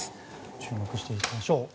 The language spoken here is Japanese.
注目していきましょう。